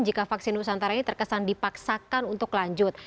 jika vaksin nusantara ini terkesan dipaksakan untuk lanjut